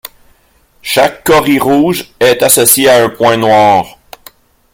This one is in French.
Chaque corie rouge est associées à un point noir.